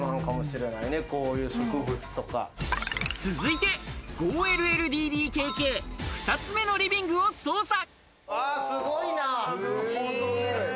続いて５ＬＬＤＤＫＫ、２つ目のリビングを捜査。